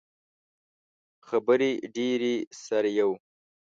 خبرې ډیرې سر ئې یؤ